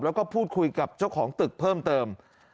แล้วก็พูดคุยกับเจ้าของตึกเพิ่มเติม